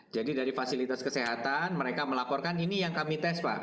dari fasilitas kesehatan mereka melaporkan ini yang kami tes pak